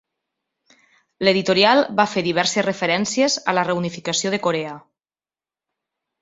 L'editorial va fer diverses referències a la reunificació de Corea.